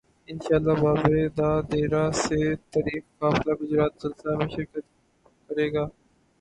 انشا ءاللہ بابے دا ڈیرہ سے تا ریخی قافلہ گجرات جلسہ میں شر کت کر ے گا